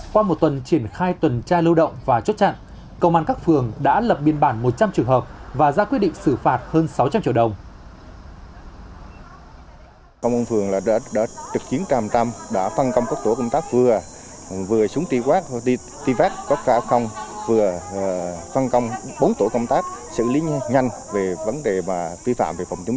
qua một tuần triển khai tình hình lực lượng công an quận đã thiết lập chín chốt chặn bên ngoài và bốn mươi hai chốt chặn bên trong